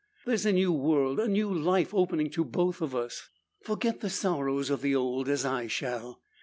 There's a new world, a new life, opening to both of us. Forget the sorrows of the old, as I shall.